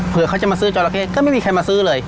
เพื่อเขาจะมาซื้อจราเข้ก็ไม่มีใครมาซื้อเลย